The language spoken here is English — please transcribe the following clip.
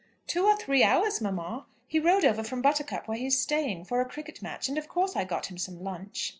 "Two or three hours, mamma. He rode over from Buttercup where he is staying, for a cricket match, and of course I got him some lunch."